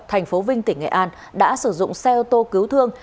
thành phố vinh tỉnh nghệ an đã sử dụng xe ô tô cứu thương